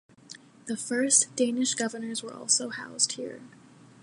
The first Danish governors were also housed here.